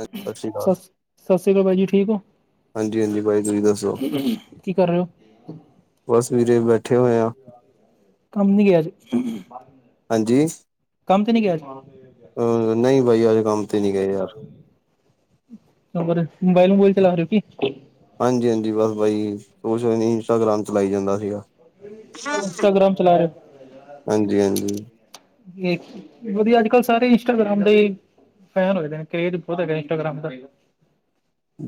ਸਤਿ ਸ਼੍ਰੀ ਸ ਅਕਾਲ ਸਸ ਰੀ ਕਾਲ, ਬਾਈ ਜੀ ਠੀਕ ਹੋ। ਹਾਂਜੀ-ਹਾਂਜੀ ਬਾਈ ਤੁਸੀਂ ਦੱਸੋ, ਕੀ ਕਰ ਰਹੇ ਹੋ ਬਸ ਵੀਰੇ ਬੈਠੇ ਹੋਏ ਆ। ਕੰਮ ਨੀ ਗਿਆ ਅੱਜ ਹਾਂਜੀ, ਕੰਮ ਤੇ ਨੀ ਗਿਆ ਅੱਜ ਅ ਨਹੀਂ ਬਾਈ ਅੱਜ ਕੰਮ ਤੇ ਨਹੀਂ ਗਏ ਯਾਰ। ਹੋਰ ਮੋਬਾਈਲ ਮੁਬਇਲ ਚਲਾ ਰਹੇ ਹੋ ਕੀ। ਹਾਂਜੀ-ਹਾਂਜੀ, ਬਸ ਬਾਈ ਸੋਸ਼ਲ ਨੀ, ਇੰਸਟਾਗ੍ਰਾਮ ਚਲਾਈ ਜਾਂਦਾ ਸੀਗਾ। ਇੰਸਟਾਗ੍ਰਾਮ ਚਲਾ ਰਹੇ ਓ ਹਾਂਜੀ-ਹਾਂਜੀ। ਤੇ ਕਿਉਂਕਿ ਅੱਜ-ਕੱਲ੍ਹ ਸਾਰੇ ਇੰਸਟਾਗ੍ਰਾਮ ਦੇ ਈ ਫੈਨ ਹੋਏ ਦੇਣੇ, ਕਰੇਜ ਬਹੁਤ ਹੈ ਇੰਸਾਗ੍ਰਾਮ ਦਾ।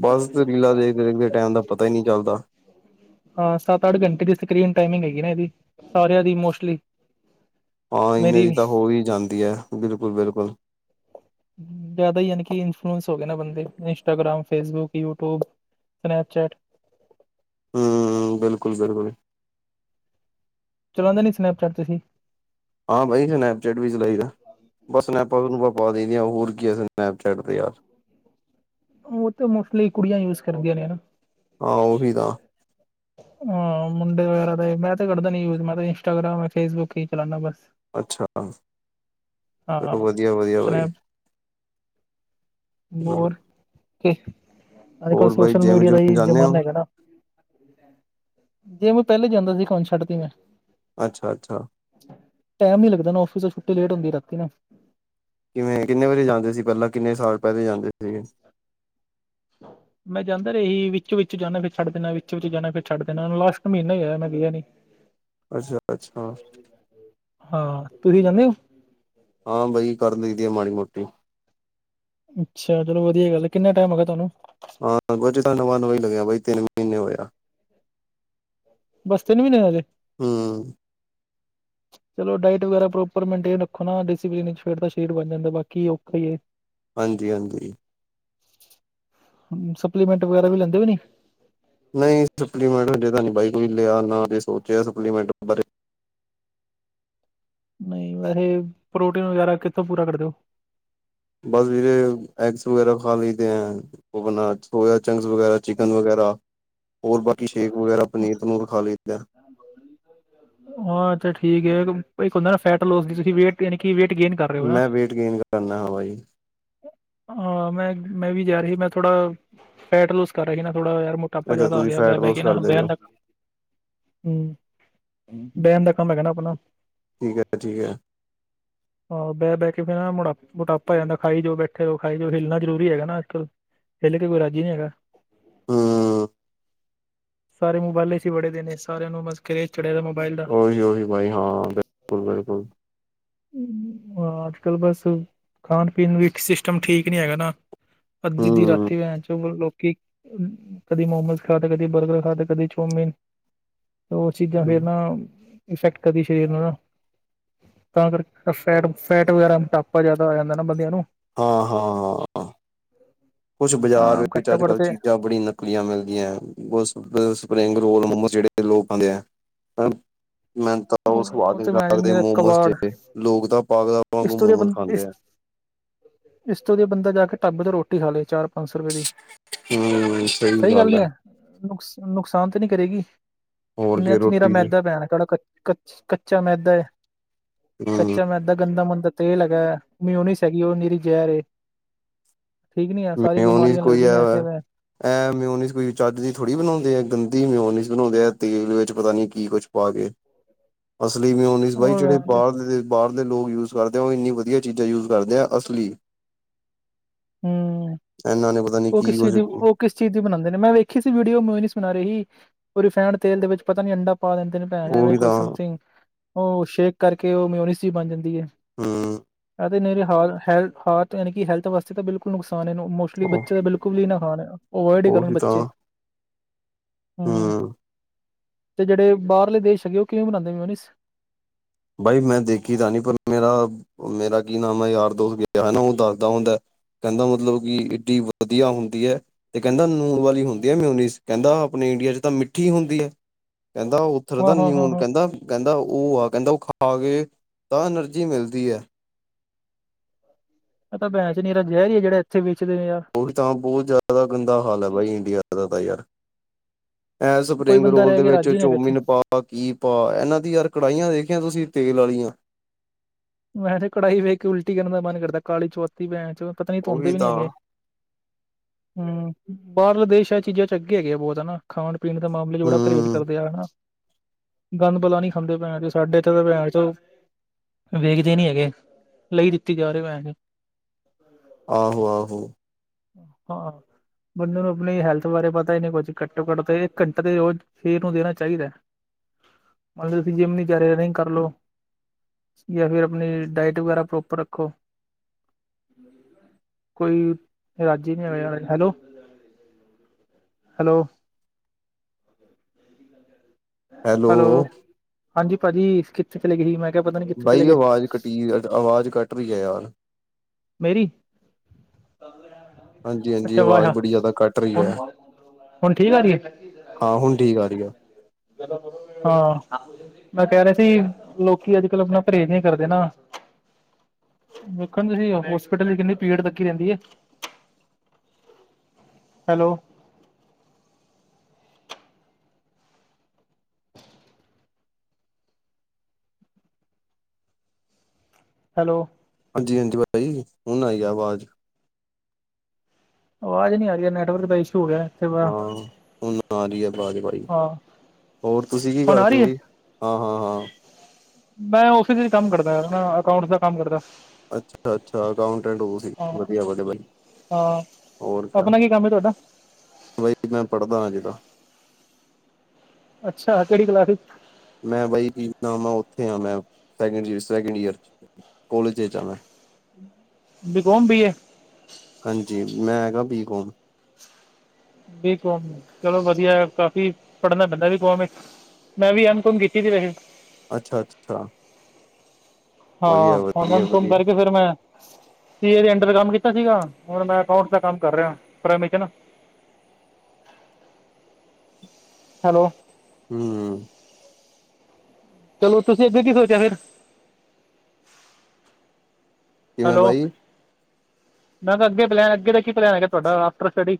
ਬਸ ਤੇ ਰੀਲਾ ਦੇਖਦੇ-ਦੇੇਖਦੇ ਟੈਮ ਦਾ ਪਤਾ ਹੀ ਨਹੀਂ ਚੱਲਦਾ। ਹਾਂ ਸੱਤ-ਅੱਠ ਘੰਟੇ ਦੀ ਸਕਰੀਨ ਟਾਈਮਿੰਗ ਹੈਗੀ ਨਾ ਇਹਦੀ, ਸਾਰਿਆਂ ਦੀ ਮੋਸਟਲੀ। ਹਾਂ ਇਨੇ ਦੀ ਤਾਂ ਹੋ ਵੀ ਜਾਂਦੀ ਐ, ਬਿਲਕੁਲ-ਬਿਲਕੁਲ। ਜ਼ਿਆਦਾ ਹੀ ਯਾਨੀ ਕਿ ਇਨਫਲੂਐੰਸ ਹੋ ਗਏ ਨਾ ਬੰਦੇ, Instagram, Facebook, YouTube Snapchat ਹੂੰ, ਬਿਲਕੁਲ- ਬਿਲਕੁਲ ਚਲਾਂਦੇ ਨੀ ਸਨੈਪਚੈਟ ਤੁਸੀਂ। ਹਾਂ ਬਈ ਸਨੈਪਚੈਟ ਵੀ ਚਲਾਈ ਦਾ। ਬਸ ਸਨੈਪਾਂ ਸਨੂਪਾਂ ਪਾ ਦਈ ਦੀ ਆ, ਹੋਰ ਕੀ ਐ ਸਨੈਪਚੈਟ ਤੇ ਯਾਰ। ਉਹ ਤੇ ਮੋਸਟਲੀ ਕੁੜੀਆਂ ਯੂਜ ਕਰਦੀਆਂ ਨੇ ਹਨਾ। ਹਾਂ ਉਹ ਵੀ ਤਾਂ। ਹਾਂ ਮੁੰਡੇ ਵਗੈਰਾ ਤੇ, ਮੈਂ ਤੇ ਕਰਦਾ ਨੀ ਯੂਜ, ਮੈਂ ਤੇ ਇੰਸਟਾਗ੍ਰਾਮ, ਫੇਸਬੁੱਕ ਹੀ ਚਲਾਂਦਾ ਬੱਸ। ਅੱਛਾ। ਹਾਂ ਚਲੋ ਵਧੀਆ- ਵਧੀਆ ਬਾਈ, ਸਨੈਪ ਹੂੰ। ਤੇ ਅੱਜ- ਕੱਲ੍ਹ ਬਾਈ ਸੋਸ਼ਲ ਜਿਮ ਮੀਡੀਆ ਦਾ ਜੁਮ ਹੀ ਜਾਂਦੇ ਹੋ ਜ਼ਮਾਨਾ ਹੈਗਾ ਨਾ। ਜੇ ਮੈਂ ਪਹਿਲੇ ਜਾਂਦਾ ਸੀ, ਕੌਣ ਛੱਡ ਤੀ ਮੈਂ। ਅੱਛਾ -ਅੱਛਾ। ਟੈਮ ਨੀ ਲੱਗਦਾ ਨਾ, ਔਫਿਸ ਤੋ ਛੁੱਟੀ ਲੇਟ ਹੁੰਦੀ ਰਾਤੀ ਨਾ। ਕਿਵੇਂ ਕਿੰਨੇ ਵਜੇ ਜਾਂਦੇ ਸੀ ਪਹਿਲਾਂ, ਕਿੰਨੇ ਸਾਲ ਪਹਿਲੇ ਜਾਂਦੇ ਸੀਗੇ। [unintelligible] ਮੈਂ ਜਾਂਦਾ ਰਿਹਾ ਸੀ, ਵਿੱਚ- ਵਿੱਚ ਜਾਂਦਾ ਫਿਰ ਛੱਡ ਦਿੰਨਾ, ਵਿੱਚ ਵਿੱਚ ਜਾਨਾ, ਲਾਸਟ ਮਹੀਨਾ ਹੋਇਆ ਮੈਂ ਗਿਆ ਨੀ। [unintelligible] ਅੱਛਾ-ਅੱਛਾ [unintelligible] ਹਾਂ। ਤੁਸੀਂ ਜਾਨੇ ਓ? ਹਾਂ, ਬਈ ਕਰ ਲਈ ਦੀ ਆ ਮਾੜੀ ਮੋਟੀ। ਅੱਛਾ! ਚਲੋ ਵਧੀਆ ਗੱਲ ਏ ਕਿੰਨਾ ਟੈਮ ਹੋ ਗਿਆ ਤੁਹਾਨੂੰ? ਹਾਂ ਕੁਝ ਤਾਂ ਨਵਾ ਨਵਾਂ ਹੀ ਲੱਗਿਆ ਬਈ ਤਿੰਨ ਮਹੀਨੇ ਹੋਏ ਆ। ਬੱਸ ਤਿੰਨ ਮੀਨੇ ਹੋ ਗੇ। ਹੂੰ। ਚਲੋ ਡਾਇਟ ਵਗੈਰਾ ਪ੍ਰੋਪਰ ਮੈਂਟੇਨ ਰੱਖੋ ਨਾ [unintelligible] ਬਣ ਜਾਂਦਾ ਬਾਕੀ ਔਖਾ ਈ ਏ। ਹਾਂਜੀ ਹਾਂਜੀ। ਸਪਲੀਮੈਂਟ ਵਗੈਰਾ ਵੀ ਲੈਂਦੇ ਓ ਕਿ ਨਈ। ਨਹੀਂ, ਸਪਲੀਮੈਂਟ ਹਜੇ ਤਾਂ ਨੀ ਬਾਈ ਕੋਈ ਲਿਆ ਨਾ ਏ ਸੋਚਿਆ ਸਪਲੀਮੈਂਟ ਬਾਰੇ। ਨਹੀਂ ਵੈਸੇ ਪ੍ਰੋਟੀਓ ਵਗੈਰਾ ਕਿੱਥੋਂ ਪੂਰਾ ਕਰਦੇ ਓ। ਬਸ ਵੀਰੇ ਐਗਸ ਵਗੈਰਾ ਖਾ ਲਇਦੇ ਹੈਨ [unintelligible] ਉਹ ਬ ਸੋਯਾ ਚੰਗਸ ਵਗੈਰਾ, ਚਿਕਨ ਵਗੈਰਾ ਹੋਰ ਬਾਕੀ ਸ਼ੇਕ ਵਗੈਰਾ ਪਨੀਰ ਪਨੂਰ ਖਾ ਲਈਦਾ। ਹਾਂ, ਏ ਤੇ ਠੀਕ ਏ ਇੱਕ ਏਕ ਹੌਂਦਾ ਨਾ ਫੈਟ ਲੋਸ ਦੀ ਤੁਸੀਂ ਵੇਟ ਯਾਨੀ ਕਿ ਵੇਟ ਗੇਨ ਕਰ ਰੇ ਓ ਨਾ। ਮੈਂ ਵੇਟ ਗੇਨ ਕਰਨਾ ਹਾਂ ਬਾਈ ਹਾਂ ਮੈਂ ਮੈਂ ਵੀ ਜਾ ਰੀ ਮੈਂ ਥੋੜਾ ਫੈਟ ਲੋਸ ਕਰ ਰੀ ਨਾ ਥੋੜਾ ਯਾਰ ਟਾਪਾ ਅੱਛਾ ਜ਼ਿਆਦਾ ਹੋ ਤੁਸੀਂ ਗਿਆ ਬਹਿ ਫੈਟ ਬਹਿ ਲੋਸ ਕੇ ਨਾ ਕਰਦੇ ਬੈਆਂ ਪਏ ਓ ਤਕ। ਹੂੰ, ਬੈਣ ਦਾ ਕੰਮ ਹੇਗਾ ਨਾ ਆਪਣਾ। ਠੀਕ ਐ ਤੇ ਠੀਕ ਐ। ਆਹੋ ਬਹਿ ਬਹਿ ਕੇ ਵੀ ਨਾ ਮੋਟ--ਮੋਟਾਪਾ ਜਾਦਾ ਖਾਈ ਜਾਓ ਬੈਠੇ ਰੋ ਖਾਈ ਜਾਓ ਹਿਲਣਾ ਜ਼ਰੂਰੀ ਹੈਗਾ ਨਾ ਅੱਜਕੱਲ੍ਹ। ਹਿਲ ਕੇ ਕੋਈ ਰਾਜੀ ਨਹੀ ਹੈਗਾ। ਹੂੰ। ਸਾਰੇ ਮੋਬਾਇਲਾ ਏਸੀ ਵੜੇ ਰੇ ਨੇ ਸਾਰਿਆਂ ਨੂੰ ਬਸ ਖੇ ਛੱਡਦੇ ਮੋਬਾਈਲ ਦਾ ਓਵੀ ਜਰੂਰੀ ਬਾਈ ਹਾਂ ਬਿਲਕੁਲ- ਬਿਲਕੁਲ। ਹਾਂ, ਅੱਜ ਕੱਲ ਬਸ ਖਾਣ ਪੀਣ ਵੀ ਸਿਸਟਮ ਠੀਕ ਨੀ ਹੈਗਾ ਨਾ। ਅੱਧੀ-ਅੱਧੀ ਹਮ ਰਾਤੀ ਵੈਨਚੋ ਮੁੜ ਲੋਕੀ ਕਦੀ ਮੋਮੋਸ ਖਾਦੇ, ਕਦੀ ਬਰਗਰ ਖਾਦੇ, ਕਦੀ ਚੋਮੀਨ। ਓ ਚੀਜ਼ਾਂ ਫੇਰ ਨਾ ਇਫੈਕਟ ਕਰਦੀ ਸਰੀਰ ਨੂੰ ਨਾ ਤਾਂ ਕਰਕੇ ਫੈਟ-ਫੈਟ ਵਗੈਰਾ ਮੋਟਾਪਾ ਜ਼ਿਆਦਾ ਆ ਜਾਂਦਾ ਨਾ ਬੰਦਿਆਂ ਨੂੰ। ਹਾਂ- ਹਾਂ -ਹਾਂ। [inaudible] ਕੁਛ ਹਾਂ ਬਾਜ਼ਾਰ ਇਚ ਅੱਜ ਘੱਟੋ ਘੱਟ ਕਲ ਤੇ ਚੀਜ਼ਾਂ ਬੜੀ ਨਕਲੀਆਂ ਮਿਲਦੀਆਂ [unintelligible] ਸਪਰਿੰਗ ਰੋਲ ਮੋਮੋ ਖਾਂਦੇ ਆ ਮੈਂ ਮੈਨੂੰ ਤਾਂ ਬੌਤ ਉਹ ਸਵਾਦ ਈ ਨੀ ਤੇ ਮੈਂ ਲਗਦੇ ਨ ਮੋਮੋਸ ਜਿ ਲੋਕ ਤਾਂ ਪਾਗਲਾਂ ਵਾਂਗੂ ਇਸਟੂਰੀ ਬ ਮੋਮੋਸ ਖਾਂਦੇ ਆ [unintelligible] ਇਸਤੋਂ ਵਦੀਆ ਬੰਦਾ ਜਾ ਕੇ ਢਾਬੇ ਤੇ ਰੋਟੀ ਖਾ ਲੇ ਚਾਰ ਪੰਜ ਸੌ ਰੁਪਏ ਦੀ। ਸਹੀ ਗੱਲ ਨੀ ਐ ਨੁਕਸ ਨੁਕਸਾਨ ਤੇ ਨੀ ਕਰੇਗੀ। ਹੋਰ ਤੇ ਕੀ ਨੀਰਾ ਰੋਟੀ ਦੀ ਮੈਦਾ ਪੈਣਾ ਤਾੜਾ ਕੱਚ ਕੱਚਾ ਮੈਦਾ ਏ ਹਮ ਕੱਚਾ ਮੈਦਾ ਗੰਦਾ ਮੰੰਦਾ ਤੇਲ ਹੈਗਾ ਏ ਮਿਓਨੀਸ ਹੇਗੀ ਓ ਨੀਰੀ ਜੈਰ ਏ। ਠੀਕ ਨੀ ਐ ਸਾਰੀ ਬਿਮਾਰੀਆਂ ਲੱਗਦੀ ਨੀ ਐਸੇ ਵ। ਐ ਮਿਓਨਿਸ ਕੋਈ ਚੱਜ ਦੀ ਥੋੜ੍ਹੀ ਬਣਾਉਂਦੇ ਆ ਗੰਦੀ ਮਿਓਨਿਸ ਬਣਾਉਂਦੇ ਆ ਤੇਲ ਦੇ ਵਿੱਚ ਪਤਾ ਨੀ ਕੀ ਕੁਝ ਪਾ ਕੇ ਅਸਲੀ ਮੀਓਨਿਸ ਬਾਈ ਹੋਰ ਜਿਹੜੇ ਵਿਆਹ ਚ ਬਾਹਰ ਦੇ ਬਾਹਰ ਦੇ ਲੋਕ ਯੂਜ ਕਰਦੇ ਆ ਓ ਇੰਨੀ ਵਧੀਆ ਚੀਜ਼ਾਂ ਯੂਜ ਕਰਦੇ ਆ ਅਸਲੀ। ਹੂੰ, ਇਹਨਾਂ ਨੇ ਪਤਾ ਨੀ ਓ ਕੀ ਕਿਸੇ ਕੁਝ ਦੀ ਓ ਉਹ ਕਿਸ ਚੀਜ਼ ਦੀ ਬਣਾਉਂਦੇ ਨੇ ਮੈਂ ਵੇਖੀ ਸੀ ਵੀਡੀਓ ਮਯੋਨਿਸ ਬਣਾ ਰੇ ਹੀ ਓ ਰਿਫਾਇਡ ਤੇਲ ਦੇ ਵਿੱਚ ਪਤਾ ਨੀ ਅੰਡਾ ਪਾ ਦਿੰਦੇ ਨੇ ਭੈਣ ਐਵੇਂ ਵੀ ਕੋਈ ਤਾਂ ਸਮਥਿੰਗ ਓ ਸ਼ੇਕ ਕਰਕੇ ਓ ਮਿਯੋਨਿਸ ਈ ਬਣ ਜਾਂਦੀ ਐ। ਹੂੰ। ਐ ਤੇ ਨੀਰੀ ਹਾਲ ਹੈਲ ਹਾਰਟ ਯਾਨੀ ਕਿ ਹੈਲਥ ਵਾਸਤੇ ਤਾਂ ਬਿਲਕੁਲ ਨੁਕਸਾਨ ਏ ਮੋ ਉਹ ਬੱਚੇ ਤਾਂ ਬਿਲਕੁਲ ਵੀ ਨਾ ਖਾ ਅਵਇਡ ਈ ਉਹ ਕਰੋ ਵੀ ਤਾਂ ਬੱਚੇ। ਹਮ ਹੂੰ ਤੇ ਜਿਹੜੇ ਬਾਹਲੇ ਦੇਸ਼ ਹੈਗੇ ਉਹ ਕਿਵੇਂ ਬਨਾਉਂਦੇ ਮਿਆਨੀਸ ਬਾਈ ਮੈਂ ਦੇਖੀ ਤਾਂ ਨੀ ਪਰ ਮੇਰਾ ਮੇਰਾ ਕੀ ਨਾਮ ਹੈ ਯਾਰ ਦੋਸਤ ਗਿਆ ਹਨਾ ਉਹ ਦੱਸਦਾ ਹੁੰਦਾ। ਕਹਿੰਦਾ ਮਤਲਬ ਕਿ ਏਡੀ ਵਧੀਆ ਹੁੰਦੀ ਹੈ। ਤੇ ਕਹਿੰਦਾ ਨੂਣ ਵਾਲੀ ਹੁੰਦੀ ਹੈ ਮਨੀ ਕਹਿੰਦਾ ਆਪਣੇ ਇੰਡੀਆ ਚ ਤਾਂ ਮਿੱਠੀ ਹੁੰਦੀ ਹੈ ਕਹਿੰਦਾ ਪੱਥਰ ਦਾ ਹਾਂ ਹਾਂ ਹਾਂ ਨਿਊਨ ਹਾਂ ਕਹਿੰਦਾ ਕਹਿੰਦਾ ਉਹ ਆ ਕਹਿੰਦਾ ਉਹ ਖਾ ਕੇ ਤਾਂ ਐਨਰਜੀ ਮਿਲਦੀ ਹੈ ਇਹ ਤਾਂ ਭੈਂਸਚੀਰਾ ਜ਼ਹਿ ਹੀ ਹੈ ਜਿਹੜੇ ਇੱਥੇ ਵੇਦੇ ਯਾਰ ਉਹੀ ਤਾਂ ਬਹੁਤ ਜ਼ਿਆਦਾ ਗੰਦਾ ਹਾਲ ਹੈ ਬਾਈ ਇੰਡੀਆ ਦਾ ਤਾਂ ਯਾਰ ਇਹ ਕੋਈ ਸਪਰਿੰਗ ਬੰਦਾ ਰੋਲ ਰਹਿ ਦੇ ਕੇ ਵਿੱਚ ਰਾਜੀ ਨੀ ਹੈਗਾ ਇੱਥੇ ਚੋਮਿਨ ਪਾ ਭ ਕੀ ਭਾ ਇਹਨਾਂ ਦੀ ਯਾਰ ਕੜਾਹੀਆਂ ਦੇਖਿਆ ਤੁਸੀਂ ਤੇਲ ਵਾਲੀਆਂ ਮੈਂ ਤੇ ਕੜਾਈ ਵੇਖ ਕੇ ਉਲਟੀ ਕਰਨ ਦਾ ਮਨ ਕਰਦਾ ਕਾਲੀ ਚੁਆਤੀ ਪੈਂ ਚੋ ਪਤਾ ਨੀ ਉਹੀ ਧੋਂਦੇ ਵੀ ਨੀ ਤਾਂ ਹੈਗੇ। ਹਮ ਬਾਹਰਲੇ ਦੇਸ਼ ਇਹ ਚੀਜ਼ਾਂ ਚ ਅੱਗੇ ਹੈਗੇ ਆ ਬਹੁਤ ਹਨਾ। ਖਾਣ ਪੀਣ ਦੇ ਮਾਮਲੇ ਚ ਬੜਾ ਪਰਹੇਜ਼ ਹੂੰ ਕਰਦੇ ਆ। ਹਨਾ ਗੰਦ ਬਲਾ ਨੀ ਖਾਂਦੇ ਭੈਣ ਚੋ ਸਾਡੇ ਇਥੇ ਤਾਂ ਭੈਣ ਚੋਂ ਵੇਖਦੇ ਨੀ ਹੈਗੇ ਲਈ ਦਿੱਤੀ ਜਾ ਰਹੀ [unintelligible] ਆਹੋ -ਆਹੋ ਹਾਂ ਬੰਦੇ ਨੂੰ ਆਪਣੀ ਹੈਲਥ ਬਾਰੇ ਪਤਾ ਹੀ ਨਹੀਂ ਕੁੱਝ ਘੱਟੋ ਘੱਟ ਤੇ ਇੱਕ ਘੰਟਾ ਦੇ ਰੋਜ਼ ਸ਼ਰੀਰ ਨੂੰ ਦੇਣਾ ਚਾਹੀਦਾ ਹੈ ਮਤਲਬ ਤੁਸੀਂ ਜਿੰਮ ਨ ਵਿਚਾਰੇ ਰਨਿੰਗ ਕਰ ਲਓ ਜਾਂ ਫਿਰ ਆਪਣੀ ਡਾਇਟ ਵਗੈਰਾ ਪ੍ਰੋਪਰ ਰੱਖੋ। ਕੋਈ, ਰਾਜੀ ਨਹੀਂ ਆ ਹੈਲੋ ਹੈਲੋ, ਹੈਲੋ ਹਾਂਜੀ ਭਾਜੀ ਕਿੱਥੇ ਚਲੇ ਗਏ ਸੀ ਮੈਂ ਕਿਹਾ ਪਤਾ ਨੀ, ਕਿੱਥੇ ਬਾਈ ਚਲੇ ਗਏ ਆਵਾਜ਼ ਕਟੀ ਆਵਾਜ਼ ਕੱਟ ਰਹੀ ਹੈ ਯਾਰ ਮੇਰੀ, ਹਾਂਜੀ ਹਾਂਜੀ ਅੱਛਾ ਆਵਾਜ਼ ਵਾਹ ਬੜੀ ਜ਼ਿਆਦਾ ਕੱਟ ਰਹੀ ਹੁਣ ਹੈ ਹੁਣ ਠੀਕ ਆ ਰਹੀ ਹੈ ਹਾਂ ਹੁਣ ਠੀਕ ਆ ਰਹੀ ਆ ਹਾਂ ਮੈਂ ਕਹਿ ਰਿਹਾ ਸੀ ਲੋਕੀ ਅੱਜ ਕੱਲ ਆਪਣਾ ਪਰਹੇਜ਼ ਨਹੀਂ ਕਰਦੇ ਨਾ। ਵੇਖਣ ਤੁਸੀਂ ਹੋਸਪਿਟਲ ਦੀ ਕਿੰਨੀ ਪੀੜ ਤੱਕੀ ਰਹਿੰਦੀ ਹੈ। Hello hello. ਹਾਂਜੀ -ਹਾਂਜੀ ਭਾ ਜੀ ਹੁਣ ਆਈ ਆਵਾਜ਼। ਆਵਾਜ਼ ਨ ਨਹੀਂ ਆਹੀ ਹੈ ਨੈਟਵਰਕ ਦਾ ਇਸ਼ੂ ਹੈਗਾ। ਹਾਂ ਉਹੁ ਨਾ ਜ ਹੀ ਆ ਬਾਜ ਭਾਈ ਹਾਂ ਹੋਰ ਤੁਸੀਂ ਕੀ ਹੁਣ ਆ ਕਰਦੇ ਰਹੀ ਹੋ ਹੈ ਭਾਈ ਹਾਂ- ਹਾਂ, ਹਾਂ। ਮੈਂ ਫਿਸ ਵਿਚ ਕੰਮ ਕਰਦਾ ਅਕਾਊਂਟਸ ਦਾ ਕੰਮ ਕਰਦਾ ਅੱਛਾ- ਅੱਛਾ ਅਕਾਊਂਟੈਂਟ ਉਹ ਸੀ ਹਾਂ ਵਧੀਆ - ਹਾਂ ਆਪਣਾ ਕੀ ਕੰਮ ਤੁਹਾਡਾ ਬਾਈ ਮੈਂ ਪੜ੍ਹਦਾ ਹਜੇ ਤਾਂ ਅੱਛਾ ਕਿਹੜੀ ਕਲਾਸ ਮੈਂ ਬਾਈ ਜ ਮੈਂ ਉੱਥੇ ਆਾਂ ਮੈਂ ਸੈਕਡ, ਸੈਕਿੰਡ ਈਅਰ ਕੋਲੇਜ ਚ ਆ ਮੈਂ ਬੀ ਕੌਮ ਜਾਂ ਬੀਏ ਹਾਂਜੀ ਮੈਂ ਹੈਗਾ ਬੀ ਕੌਮ ਬੀ ਕੌਮ ਚਲੋ ਵਧੀਆ ਕਾਫੀ ਪੜਨਾ ਪੈਂਦਾ ਬੀ ਕੌਮ ਮੈਂ ਵੀ ਐਮਕੋਮ ਕੀਤੀ ਸੀ ਵੈਸੇ ਅੱਛਾ -ਅੱਛਾ। ਹਾਂ ਵਧੀਆ ਹੁਣ ਵਧੀਆ ਐਮਕੋਮ ਵਧੀਆ ਕਰਕੇ ਫੇਿਰ ਮੈਂ ਸੀ ਸੀਏ ਦੇ ਅੰਡਰ ਕੰਮ ਕੀਤਾ ਸੀਗਾ ਹੁਣ ਮੈਂ ਅਕਾਊਂਟਸ ਦਾ ਕੰਮ ਕਰ ਰਿਹਾ ਪ੍ਰਾਈਮ ਚ ਨਾ ਹੈਲੋ ਹੂੰ। ਚਲੋ, ਤੁਸੀਂ ਅੱਗੇ ਕੀ ਸੋਚਿਆ ਫਿਰ? ਕਿਵੇਂ ਹੈਲੋ, ਬਾਈ ਮੈਂ ਕਿਹਾ ਅੱਗੇ ਪਲੈਨ, ਅੱਗੇ ਦਾ ਕੀ ਪਲੈਨ ਹੈਗਾ ਤੁਹਾਡਾ? After study.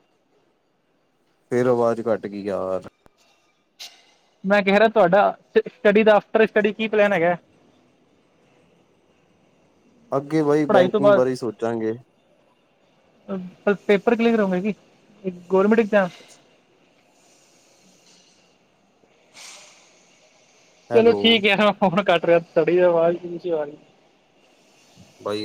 ਫੇਰ ਆਵਾਜ਼ ਘੱਟ ਗਈ ਯਾਰ। ਮੈਂ ਕਹਿ ਰਿਹਾ ਤੁਹਾਡਾ, ਸ ਸਟੱਡੀ ਦਾ, ਆਫਟਰ ਸਟੱਡੀ ਕੀ ਪਲੈਨ ਹੈਗਾ? ਅੱਗੇ ਬਈ ਪੜ੍ਹਾਈ ਤੋਂ ਬੈਂਕਿੰਗ ਬਾਅਦ ਬਾਰੇ ਈ ਸੋਚਾਂਗੇ। [unintelligible] ਪੇਪਰ ਕਲੀਅਰ ਕਰੋਗੇ ਕਿ ਗੌਰਮੈਂਟ ਐਗਜ਼ਾਮ। ਚਲੋ, ਹੈਲੋ ਠੀਕ ਏ, ਮੈਂ ਫੋਨ ਕੱਟ ਰਯਾ, ਤੁਆੜੀ ਆਵਾਜ਼। [unintelligible] ਬਾਈ ਓ